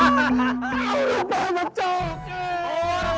orang banget cokel